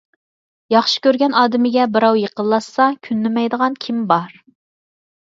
ياخشى كۆرگەن ئادىمىگە بىراۋ يېقىنلاشسا كۈنلىمەيدىغان كىم بار؟